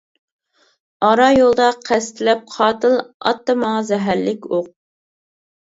ئارا يولدا قەستلەپ قاتىل، ئاتتى ماڭا زەھەرلىك ئوق.